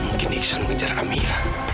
mungkin iksan mengejar amira